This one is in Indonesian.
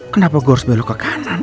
kenapa gue harus belok ke kanan